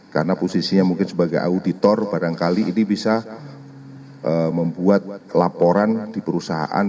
karena posisinya mungkin sebagai auditor barangkali ini bisa membuat laporan di perusahaan